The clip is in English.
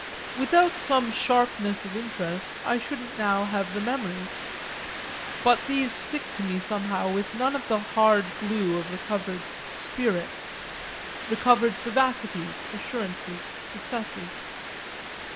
Without some sharpness of interest I shouldn't now have the memories; but these stick to me somehow with none of the hard glue of recovered "spirits," recovered vivacities, assurances, successes.